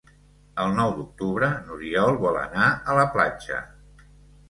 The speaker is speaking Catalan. El nou d'octubre n'Oriol vol anar a la platja.